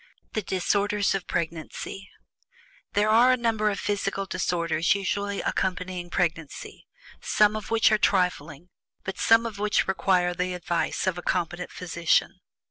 THE DISORDERS OF PREGNANCY. There are a number of physical disorders usually accompanying pregnancy, some of which are trifling, but some of which require the advice of a competent physician.